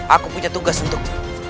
aku punya tugas untukmu